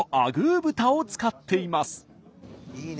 いいね！